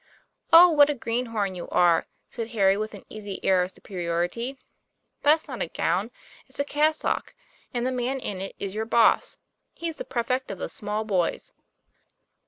' Oh, what a greenhorn you are!" said Harry, with an easy air of superiority; "that's not a gown, it's a cassock, and the man in it is your boss: he's the prefect of the small boys."